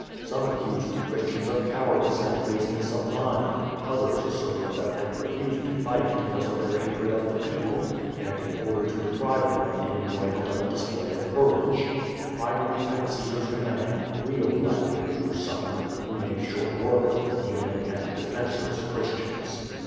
Some accused the Christians of cowardice and base ness of mind; others asserted that they refused to fight be cause of their hatred of the people, and in order to deprive them of the enjoyment of a display of courage. Finally, at Caesar's command, real gladiators were summoned, who made short work of the kneeling, and defenceless Christians.